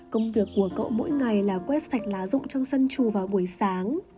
công việc của cậu mỗi ngày là quét sạch lá rụng trong sân chù vào buổi sáng